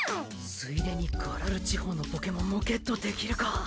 ついでにガラル地方のポケモンもゲットできるか。